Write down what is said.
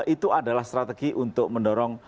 itu adalah strategi untuk mendorong